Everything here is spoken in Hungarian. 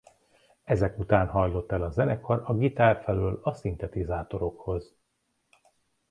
Ezek után hajlott el a zenekar a gitár felől a szintetizátorokhoz.